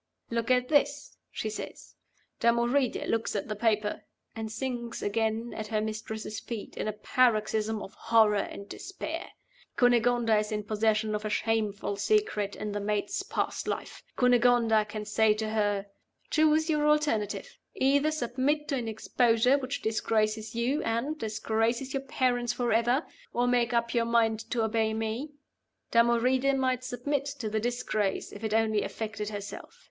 'Look at this,' she says. Damoride looks at the paper, and sinks again at her mistress's feet in a paroxysm of horror and despair. Cunegonda is in possession of a shameful secret in the maid's past life. Cunegonda can say to her, 'Choose your alternative. Either submit to an exposure which disgraces you and disgraces your parents forever or make up your mind to obey Me.' Damoride might submit to the disgrace if it only affected herself.